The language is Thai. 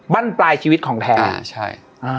บ้านปลายชีวิตของแทนใช่อ่า